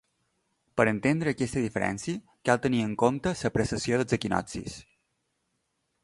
Per entendre aquesta diferència cal tenir en compte la precessió dels equinoccis.